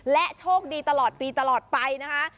และโชคดีตลอดปีตลอดไปนะคะ